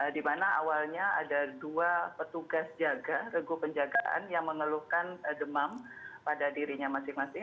di mana awalnya ada dua petugas jaga regu penjagaan yang mengeluhkan demam pada dirinya masing masing